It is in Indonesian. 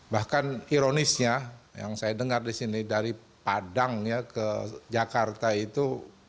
bahkan ironisnya yang saya dengar di sini dari padang ya ke jakarta itu